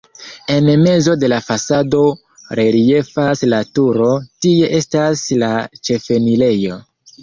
En mezo de la fasado reliefas la turo, tie estas la ĉefenirejo.